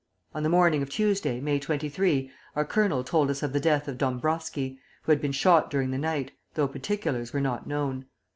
On the morning of Tuesday, May 23, our colonel told us of the death of Dombrowski, who had been shot during the night, though particulars were not known.